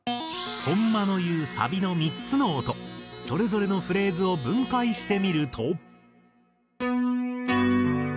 本間の言うサビの３つの音それぞれのフレーズを分解してみると。